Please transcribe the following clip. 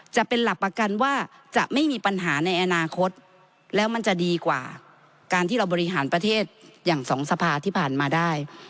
จะเป็นหลักประกันว่าจะไม่มีปัญหาในอนาคตแล้วมันจะดีกว่าการที่เราบริหารประเทศอย่างสองสภาที่ผ่านมาได้